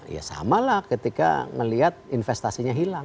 ya sama lah ketika melihat investasinya hilang